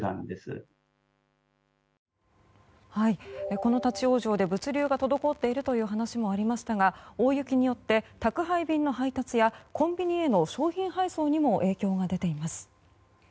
この立ち往生で物流が滞っているという話もありましたが大雪によって宅配便の配達やコンビニへの商品配送にも影響が出ています。